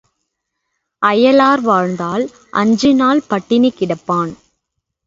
அயலார் வாழ்ந்தால் அஞ்சு நாள் பட்டினி கிடப்பான்.